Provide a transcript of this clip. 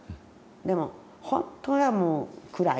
でも本当はもう暗い暗い。